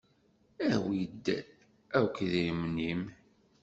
Awi-d akk idrimen-im!